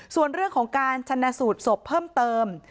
ส่วนเรื่องของการชนะสูตรศพเพิ่มเติม